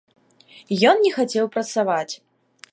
Ён не хацеў працаваць.